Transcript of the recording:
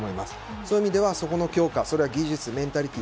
そういう意味ではそこの強化、技術メンタリティー